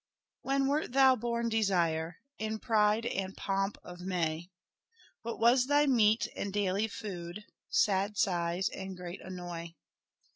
*.When wert thou born, Desire ? In pride and pomp of May. What was thy meat and daily food ? Sad sighs and great annoy.